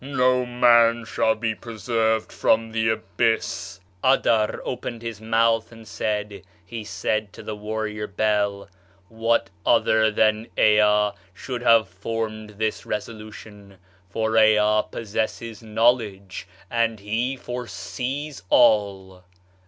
No man shall be preserved from the abyss!" Adar opened his mouth and said; he said to the warrior Bel: "What other than Ea should have formed this resolution? for Ea possesses knowledge, and [he foresees] all."